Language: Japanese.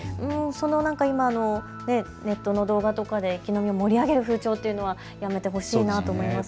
今ネットの動画とかで一気飲み盛り上げる風潮というのはやめてほしいなと思います。